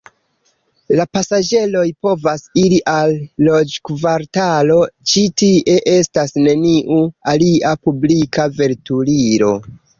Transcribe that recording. La pasaĝeroj povas iri al loĝkvartalo, ĉi tie estas neniu alia publika veturilo.